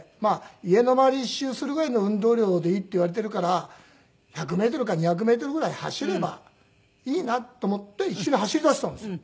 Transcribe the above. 家の周りを１周するぐらいの運動量でいいって言われているから１００メートルか２００メートルぐらい走ればいいなと思って一緒に走り出したんですよ。